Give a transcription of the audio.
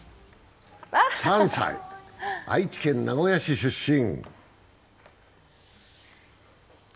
３歳、愛知県名古屋市出身。